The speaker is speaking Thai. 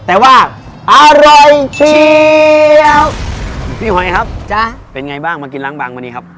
แต่ว่าอร่อยเชียวพี่หอยครับจ้ะเป็นไงบ้างมากินล้างบางวันนี้ครับ